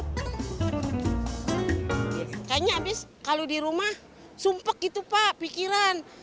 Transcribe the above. kayaknya abis kalau di rumah sumpek gitu pak pikiran